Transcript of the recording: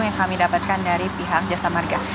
yang kami dapatkan dari pihak jasa marga